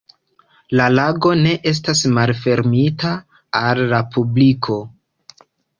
La lago ne estas malfermita al publiko.